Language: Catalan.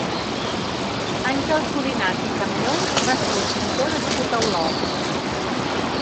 Àngel Codinach i Campllonc va ser un pintor nascut a Olot.